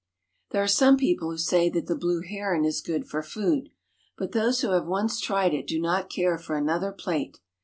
There are some people who say that the blue heron is good for food, but those who have once tried it do not care for another plate.